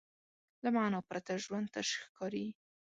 له معنی پرته ژوند تش ښکاري.